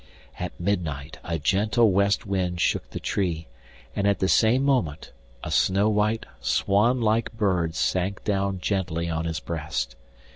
At midnight a gentle west wind shook the tree, and at the same moment a snow white swan like bird sank down gently on his breast.